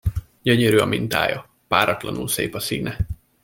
Gyönyörű a mintája, páratlanul szép a színe.